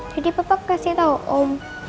bapak kasih tau om